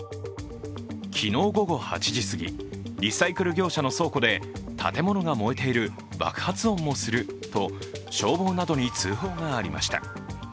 昨日午後８時すぎリサイクル業者の倉庫で建物が燃えている、爆発音もすると消防などに通報がありました。